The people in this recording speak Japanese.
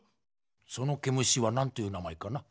その毛虫は何という名前かな？